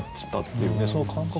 その感覚